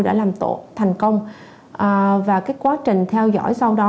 đã làm tổ thành công và cái quá trình theo dõi sau đó